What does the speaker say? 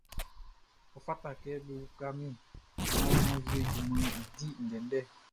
Ɔ fata kɛ be uka min naan mʼan wie junmanʼn i di ndɛndɛ.